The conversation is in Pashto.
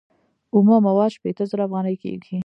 اومه مواد شپیته زره افغانۍ کېږي